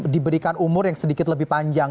diberikan umur yang sedikit lebih panjang